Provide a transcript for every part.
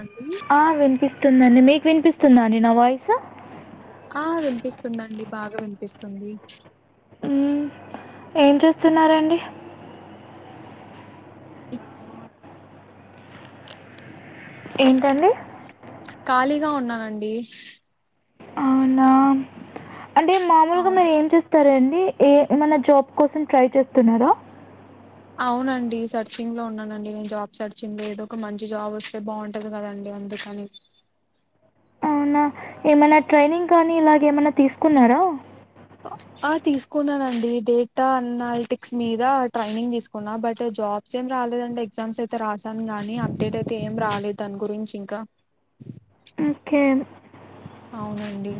అండి ఆ వినిపిస్తుందండి మీకు వినిపిస్తుందండి నా వాయిస్ స ఆ వినిపిస్తుందండి బాగా వినిపిస్తుంది ఉ ఏం చేూస్తున్నండి ఇ ఏంటండి ఖాళీగా ఉన్నానండి అవునా అంటే మామూలుగా అవును మీరు ఏం చేస్తారండి ఏ మన జాబ్ కోసం ట్రై చేస్తున్నారా అవునండి సర్చింగ్ లో ఉన్నానండి నేను జాబ్ సర్చింది ఏదో ఒక మంచి జాబ్ వస్తే బాగుంటది కదండి అందుకని ఏమన్నా ఏమైనా ట్రైనింగ్ కానీ ఇలాగ ఏమైనా తీసుకున్నారా ఆ తీసుకున్నానండి డేటా అనాలిటిక్స్ మీద ట్రైనింగ్ తీసుకున్నా బట్ జాబ్స్ ఏం రాలేదండి ఎగ్జామ్స్ అయితే రాసాను కానీ అప్డేట్ అయితే ఏం రాలేదు దాని గురించి ఇంకా ఓకే అవునండి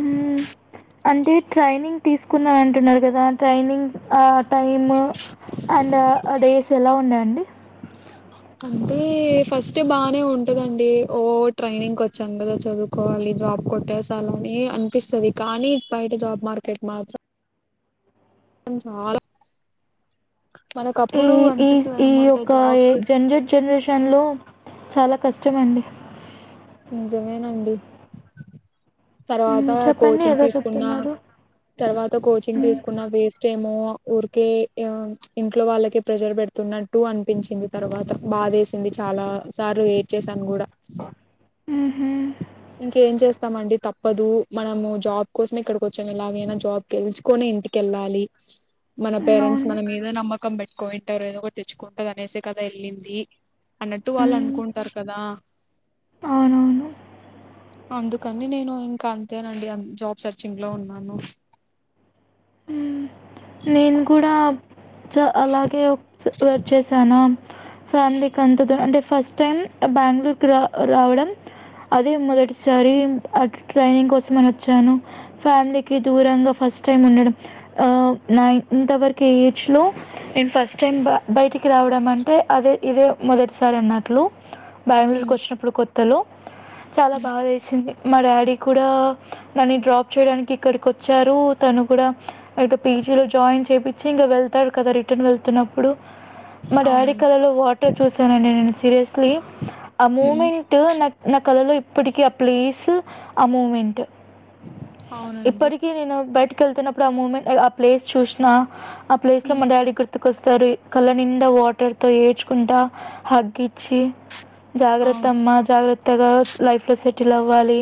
మ్మ్. అంటే ట్రైనింగ్ తీసుకున్నా అంటున్నారు కదా ట్రైనింగ్ టైమ్ ఆ డేస్ ఎలా ఉన్నాయండి అంటే ఫస్ట్ బానే ఉంటదండి ఓ ట్రైనింగ్ వచ్చాం కదా చదువుకోవాలి జాబ్ కొట్టేసాల అని అనిపిస్తుంది కానీ బయట జాబ్ మార్కెట్ మాత్రం చాలా మనకు ఈ అప్పుడు ఈ అనిపిస్తది ఈ అనమాట యొక్క జాబ్స్ జంజట్ జనరేషన్ లో చాలా కష్టమండి నిజమేనండి తర్వాత మ్మ్, చెప్పండి కోచింగ్ ఏదో తీసుకున్న చెప్తున్నారు తర్వాత కోచింగ్ మ్మ్. తీసుకున్న వేస్ట్ ఏమో ఊరికే ఇంట్లో వాళ్ళకే ప్రెషర్ పెడుతున్నట్టు అనిపించింది తర్వాత భాదేసింది చాలా సార్లు ఏడ్చేసాను కూడా ఉహూ ఇంకేం చేస్తామండి తప్పదు మనము జాబ్ కోసమే ఇక్కడికి వచ్చాము ఎలాగైనా జాబ్ గెల్చుకొని ఇంటికెళ్ళాలి మన పేరెంట్స్ అవును మన మీద నమ్మకం పెట్ కోయింటారు ఏదో ఒకటి తెచ్చుకుంటాది అనేసే కదా వెళ్ళింది అన్నట్టు వాళ్ళు మ్మ్. అనుకుంటారు కదా అవునవును అందుకని నేను ఇంకా అంతేనండి జాబ్ సెర్చింగ్ లో ఉన్నాను ఉమ్ నేను కూడా స అలాగే వచ్చేసాను ఫ్యామిలీకి అంత దరం అంటే ఫస్ట్ టైమ్ బెంగళూరుకి రా రావడం అదే మొదటిసారి అటు ట్రైనింగ్ కోసం అని వచ్చాను ఫ్యామిలీకి దూరంగా ఫస్ట్ టైమ్ ఉండడం ఆ నై ఇంత వరకు ఏజ్ లో నేను ఫస్ట్ టైం బయటికి రావడం అంటే అదే ఇదే మొదటిసారి అన్నట్లు బెంగళూరుకి హ్మ్ వచ్చినప్పుడు కొ హలో చాలా బాధ వేసింది మా డాడీ కూడా నన్ని డ్రాప్ చేయడానికి ఇక్కడికి వచ్చారు తను కూడా అయితే పీజీ లో జాయిన్ చేపిచ్చి ఇంకా వెళ్తాడు కదా రిటర్న్ వెళ్తున్నప్పుడు మా డాడీ అవునండి కళలో వాటర్ చూసానండి నేను సీరియస్లీ ఆ హ్మ్ మూమెంట్ నాకు నా కళలో ఇప్పటిక ఆ ప్లేస్ ఆ మూమెంట్ అవునండి ఇప్పటికీ నేను బట్ టికి వెళ్తూ అప్పుడ ఆ మూమెంట్ ఆ ప్లేస్ చూశినా ఆ ప్లేస్ లో హ్మ్ మా డాడి గుర్తుక్ కొస్తారు కళ్ళ నిండా వాటర్ తో ఏడ్చుకుంటా హగ్గిచ్చి జాగ్రత్త అవును అమ్మ జాగ్ర త్తగా లైఫ్ లో సెటిల్ అవ్వాలి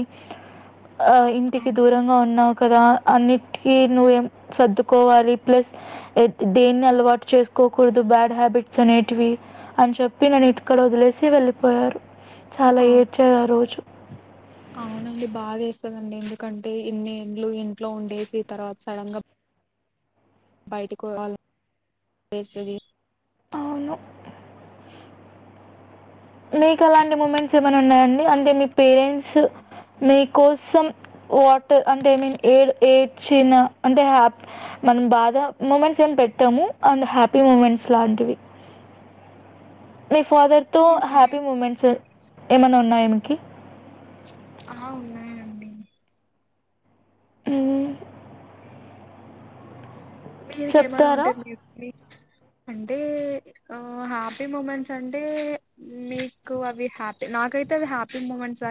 ఆ ఇంటికి దూరంగా ఉన్నావ్ కదా అన్నిటికీ నువ్వేం సర్దుకోవాలి ప్లస్ ఎ దేన్ని అలవాటు చేసుకోకూడదు బ్యాడ్ హ్యాబిట్స్ అనేటివి అని చెప్పి నన్ను ఇక్కడ వదిలేసి వెళ్ళిపోయారు చాలా అవును ఏడ్చారారోజు అవునండి బాదేస్తదండి ఎందుకంటే ఇన్ని ఏండ్లు ఇంట్లో ఉండేసి తర్వాత సడన్ గా బయటకుపోవాల వేస్తది అవును మీ కలాంటి మూమెంట్స్ ఏమైనా ఉన్నాయా అండి అంటే మీ పేరెంట్స్ స్ మీ కోసం వాటర్ అంటే మీన్ ఏ ఏడ్చిన అంటే హ్యాప్ మనం బాధ మూమెంట్స్ ఏం పెట్టాము అండ్ హ్యాపీ మూమెంట్స్ లాంటివి ఫాదర్ తో హ్యాపీ మూమెంట్స్ ఏమన్నా ఉన్నాయా మీకీ ఆ ఉన్నాయండి మ్మ్ మీరికేమన్నా చెప్తారా ఉంటే మీర్ మి అంటే ఆ హ్యాపీ మూమెంట్స్ అంటే మీకు అవి హ్యాపీ నాకైతే అవి హ్యాపీ మూమెంట్స్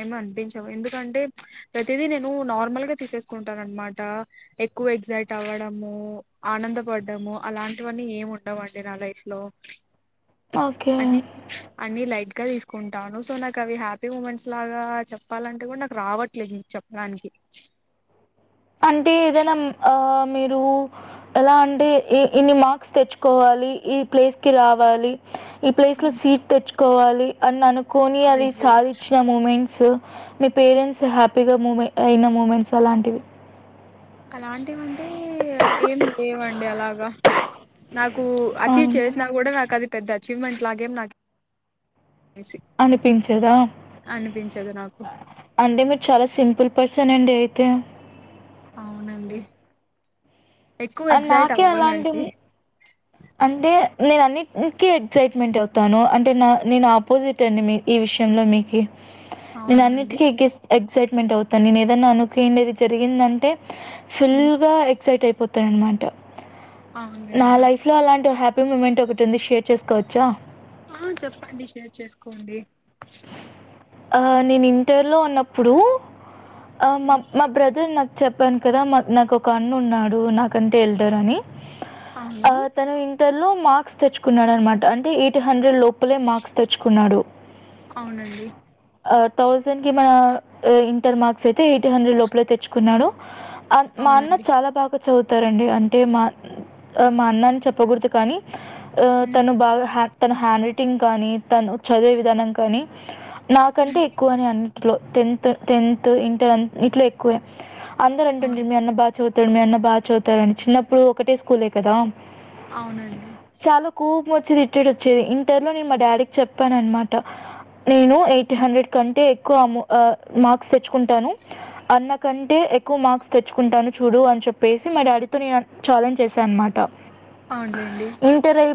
ఏం అనిపించవు ఎందుకంటే మ్చ్ ప్రతిదీ నేను నార్మల్గా తీసేసుకుంటాను అనమాట ఎక్కువ ఎగ్జైట్ అవ్వడం ఆనంద పడ్డము అలాంటివన్నీ ఏం ఉండవండి నా లైఫ్ లో ఓకే అన్ని లైట్ కే తీసుకుంటాను సో నాకు అవి హ్యాపీ మూమెంట్స్ లాగా చెప్పాలంటే కూడా నాకు రావట్లేదు చెప్పడానికి అంటే ఏదైనా మ్మ్ ఆ మీరు ఎలా అంటే ఎ ఇన్ని మార్క్స్ తెచ్చుకోవాలి ఈ ప్లేస్ కి రావాలి ఈ ప్లేస్ లో సీట్ తెచ్చ్ కోవాలి అన్నను కోని అవి అయ్యో సాధిచ్చిన మూమెంట్ స్ మీ పేరెంట్స్ హ్యాపీగా మూమెంట్ అయిన మూమెంట్స్ అలాంటివి అలాంటివంటే ఏం లేవండి అలాగా నాకు అచీవ్ అవును చేసినా కూడా నాకు అది పెద్ద చీవ్ మెంట్ లాగే ఏం నాక్ అనిపించదా అనిపించదు నాకు అంటే మీరు చాలా సింపుల్ పర్స్ సనండి అయితే అవునండి ఎక్కువ ఆ ఎగ్జైట్ నాకే అలాంటిం అవ్వనండి అంటే నేనన్ని న్ కీ ఎగ్జాస్ట్మెంట్ అవుతాను అంట్ న నేను ఆపోజిట్ అండి మీ ఈ విషయంలో మీకి నేను అవునా అండి అన్నిటికి ఎగేస్ ఎగ్ ఎక్సెస్మెంట్ అవుతాను నేను ఏదైన్నా అనుకుండేది జరిగిందాంటే ఉమ్, ఫుల్లుగా ఎక్సైట్టైప్ పూర్తయిందంట నా అవునండి లైఫ్ లో అలాంటి హ్యా హ్యాపీ మూమెంట్ ఒకటి ఉంది షేర్ చేసుకోవచ్చా ఆ చెప్పండి షేర్ చేసుకోండి ఆ నేను ఇంటర్లో ఉన్నప్పుడు ఆ మా ఉమ్, మా బ్రదర్ నా చెప్పాను కదా మా నాకోక అన్న ఉన్నాడు నాకంటే ఎల్డర్ అని ఆ అవును అతను ఇంటర్లో మార్క్స్ తెచ్చుకున్నాడు అనమాట అంటే ఎయిట్ హండ్రెడ్ లోపలే మార్క్స్ తెచ్చుకున్నాడు అవునండి థౌజండ్ కి మన ఇంటర్ మార్క్స్ అయితే ఎయిట్ హండ్రెడ్ లోపలే తెచ్చుకున్నాడు ఆ మా అన్న అవునండి చాలా బాగా చదువుతారండి అంటే మా మా అన్నని చెప్పకూడదు కానీ ఆ ఉమ్, తను బాగా హ తన హ్యాండ్ రైటింగ్ గాని తను చదివి దానం కాని నాకంటే ఎక్కువ అని అన్ని ఇంట్లో టెన్త్ టెన్త్ ఇంటర్ అన్నిట్లో ఎక్కువే అందరు అంటుండి అవును మీ అన్న బా చదువుతాడు మీ అన్న బా చదువుతా అని న చిన్నప్పుడు ఒకటే స్కూలే కదా అవునండి వచ్చి రిటైడ్ వచ్చేది ఇంటర్ లో నేను మా డాడీకి చెప్పాను అనమా టె నేను ఎయిట్ హండ్రెడ్ కంటే ఎక్కువ ము ఆ మార్క్స్ తెచ్చుకుంటాను అన్న కంటే ఎక్కువ మార్క్స్ తెచ్చుకుంటాను చూడు అని చెప్పేసి మా డాడీతో నే ఛాలెంజ్ చేశాను అనమాట అవునులెండి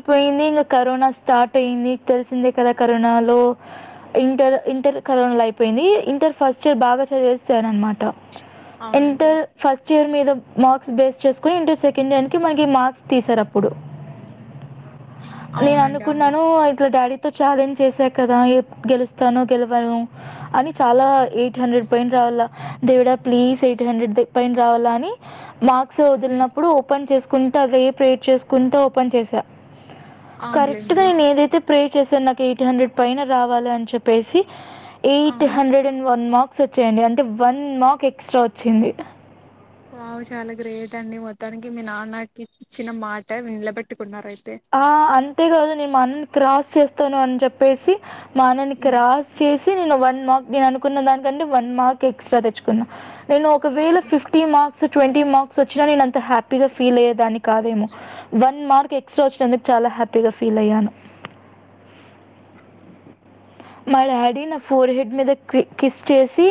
పోయింది ఇంకా కరోనా స్టార్ట్ అయింది తెలిసిందే కదా కరోనా లో ఇంటర్ ఇంటర్ కరోనా లో అయిపోయింది ఇంటర్ ఫస్ట్ ఇయర్ బాగా చదివేస్తార అనమాట అవునండి ఇంటర్ ఫస్ట్ ఫక్స్ట్ ఇయర్ మీద మార్క్స్ బేస్ చేసుకుని ఇంటర్ సెకండ్ ఇయర్ కి మన మార్క్స్ తీసారు అప్పుడు నేను అవునండి అవును అనుకున్నాను ఇట్లా డాడీ చాలెంజ్ చేసా కదా గెలుస్తానో గెలవను అని చాలా ఎయిట్ హండ్రెడ్ పైన రావాల దేవుడా ప్లీజ్ ఎయిగ్టీన్ హండ్రెడ్ పైన రావాల అని మాకు ఉమ్, వదిలినప్పుడు ఓపేన్ చేస్ కుంత రేప్ ప్రేట్ చేసుకుంతా ఓపెన్ చేసా అవునులేండి కరెక్ట్గా నేను ఏదైతె ప్రే చేశాను నాకు ఎయిట్ హండ్రెడ్ పైన రావాలి అని చెప్పేసి ఆ eight hundred and one marks వచ్చేయండి. అంటే వన్ మార్క్ ఎక్స్ట్రా వచ్చింది వావ్ చాలా గ్రేట్ అండి మొత్తానికి మీ నాన్నకి ఇచ్చిన మాట నిలబెట్టుకున్నారు అయితే ఆ అంతేకాదు నేన్ మ అన్న క్రాస్ చేస్ స్తాను అని చెప్పేసి మా అన్నని ఉమ్, క్రాస్ చేసి నేను వన్ మార్క్ నేను అనుకున్న దానీ కంటె వన్ మార్క్ ఎక్స్ట్రా తెచ్చుకున్నా నేను ఒకవేళ అవును- ఫిఫ్టీ మార్క్స్ ట్వంటీ మార్క్స్ వచ్చినా నేను అంత హ్యాపీగా ఫీల్ అయ్యేదాన్ని కాదేమో వన్ మార్క్ ఏ స్ట్రా వచ్చినందుకు చాలా హ్యాపీగా ఫీల్ అయ్యాను మా డాడీ నా ఫోర్ హెడ్ మీద కిస్ చేసి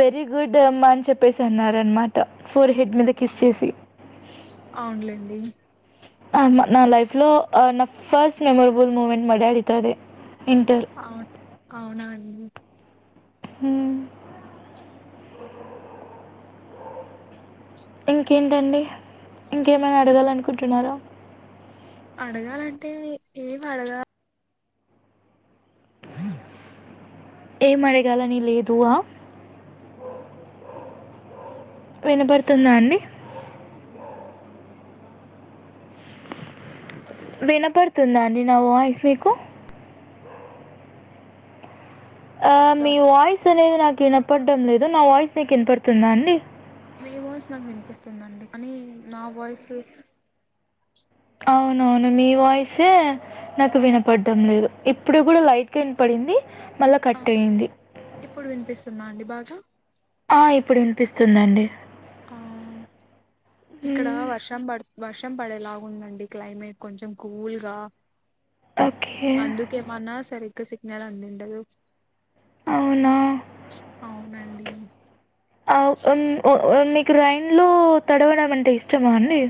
వెరీ గుడ్ అమ్మా అని చెప్పేసి అన్నారు అనమాట ఫోర్ హెడ్ మీద కిస్ చేసి అవునులేండి నా లైఫ్ లో నా ఫస్ట్ మెమరబుల్ మూమెంట్ మ డాడీతో అదే ఇంటర్. అవు అవునా అండి హ్ ఇంకేంటండి ఇంకేమైనా చెప్ అడగాల అనుకుంటున్నారా అడగాలంటే ఏం అడగా ఏం అడగాలని లేదువా వినబడుతుందా అండి వినపడుతుందా అండి నా వాయిస్ మీకు ఆ మీ వయిస్ అనేది నాకు ఇనప్పడ లేద నా వాయిస్ నీకు వినపడుతుందా అండి మీ వాయిస్ నాకు వినిపిస్తుందండి కానీ నా వాయిస్ అవునవును మీ వాయిసే నాకు వినపడ్డం లేదు ఇప్పుడు కూడా లైట్గా వినపడింది మళ్ళా ఆ కట్ అయ్యింది ఇప్పుడు పినిపిస్తుందా అండి బాగా ఆ ఇప్పుడు వినిపిస్తుందండి ఆ ఇక్కడ మ్మ్. వర్షం పడు వర్షం ర్షం పడేలాగుందండి క్లైమేట్ కొంచెం కూల్ గా ఓకే అందుకేమన్నా సరే సిగ్నల్ అంది ఉండదు అవునా అవునండి అ వున్ ఓ ఓ నిక్ రైన్ లో తడవడం అంటే ఇష్టమా అండి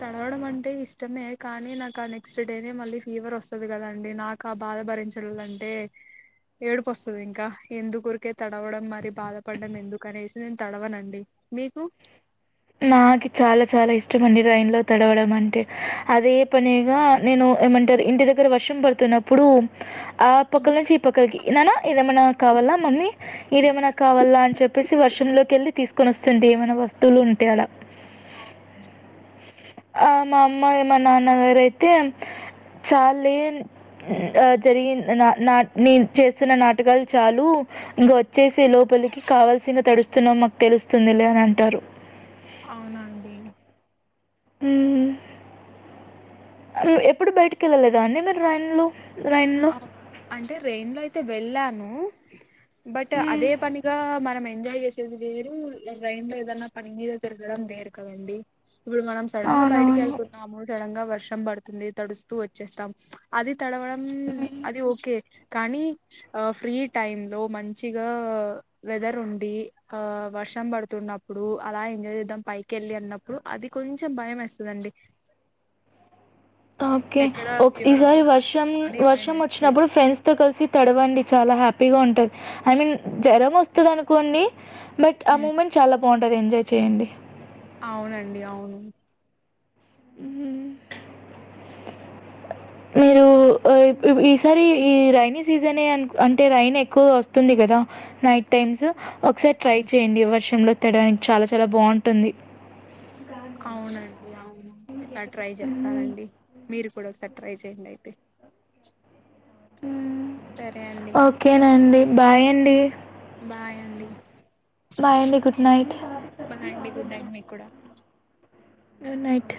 తడవడం అంటే ఇష్టమే కానీ నాకు ఆ నెక్స్ట్ డేనే మళ్ళీ ఫీవర్ వస్తది కదండి. నాకు ఆ బాధ భరించడం కంటే ఏడుపు వస్తుంది ఇంకా ఎందుకూరికే తడవడం మరి బాధపడడం ఎందుకనేసి నేను తడవనండి. మీకు నాకు చాలా చాలా ఇష్టం అండి రైన్ లో తడవడంమంటె అదే పనిగా నేను ఏమంటరు ఇంటి దగ్గర వర్షం పడుతున్నప్పుడు ఆ పొక్కల నుంచి ఈ పక్కలకి నాన్నా ఇదేమన్నా కావాలా మమ్మీ ఇదేమైనా కావాలా అని చెప్ చెప్పేసి వర్షంలోకి వెళ్ళి తీసుకొని వస్తుంటే ఏమైన వస్తువులు ఉం ఇవలా అవును ఆ మా అమ్మా మా నాన్నగారుయితే చాలే ఆ జరిగి నా నా నేను చేస్తున్న నాటకాలు చాలు ఇంక వచ్చేసి లోపలికి కావల్సిన తడుస్తున్నాం మాకు తెలుస్తుందిలే అని అంటారు. అవునాండి హ్మీ ఎప్పుడు బయటికి వెళ్ళలేదా అన్నడి మీర్ వాన్లో ఆ అంటే రైన్ లో అయితే వెళ్ళాను ను బట్ అదే పనిగా మనం ఎంజాయ్ చేస్ ది వేరు రైన్ లో ఏదన్నా పనిమీద తిరగడం వేరు కదండి ఇప్పుడు మనం సడన్ గా బయటికి వెళ్తున్నాము సడన్ గా వ ర్షం పడుతుంది తడుస్తూ వచ్చేస్తాం అది తడవడం అది ఓకే కానీ ఆ ఫ్రీ టైమ్ లో మంచిగా వెదర్ ఉండి ఆ వర్షం పడుతున్నప్పుడు అలా ఎంజాయ్ చేద్దాం పైకి వెళ్ళి అన్నప్పుడు అది కొంచెం భయం వేస్తుందండి. ఓకే ఒ ఇగో ఈ వర్షం వచ్చేస్తుందేమో అని భయం వర్షం వేస్తది వచ్చినప్పుడు ఫ్రెండ్స్ తో కలిసి తడవండి చాలా హ్యాపి ఇగో ఉంటంది ఐ మీన్ జరం వస్తది అనుకోండి బట్ ఆ మూమెంట్ చాలా బ్ బాగుంటది ఎంజాయ్ చేయండి. అవునండి అవును ఉమ్ మీరు ఉ ఇప్ ఈసారి ఈ రైని సీజనే అనుక్ అంటే రైన్ ఎక్కువ వస్తుంది కదా నైట్ టైమ్స్ ఒకసారి ట్రై అవు చేయండి వర్షంలో తడవానికి చాలా చాలా బాగుంటుంది. అవునండి అవును ఈ సారి ట్రై చేస్తనండి. మీరు కూడా ఒకసారి ట్రై చేయండి అయితే. ఉమ్ సరే అండి ఓకేనండి బాయ్ అండి బాయ్ అండి బాయ్ అండి గుడ్ నైట్ బాయండి గుడ్ నైట్ మీ కూడా గుడ్ నైట్